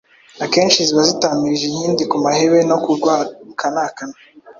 akenshi ziba zitamirije inkindi kumahebe no kurwakanakana,